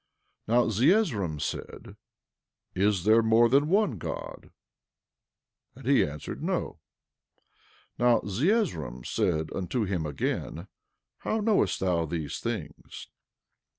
11:28 Now Zeezrom said: Is there more than one God? 11:29 And he answered, No. 11:30 Now Zeezrom said unto him again: How knowest thou these things?